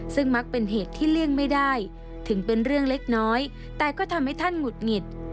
ซึ่งมักเป็นเหตุที่เลี่ยงไม่ได้ถึงเป็นเรื่องเล็กน้อยแต่ก็ทำให้ท่านหงุดหงิด